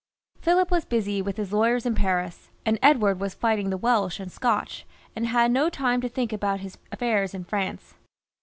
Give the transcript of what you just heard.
Philip was busy with his lawyers in Paris, and Edward was fighting the Welsh and Scotch, and had no time to think about his afifairs in France.